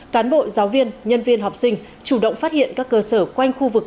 cán bộ giáo viên nhân viên học sinh chủ động phát hiện các cơ sở quanh khu vực